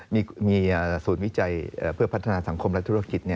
มีศูนย์วิจัยเพื่อพัฒนาสังคมและธุรกิจ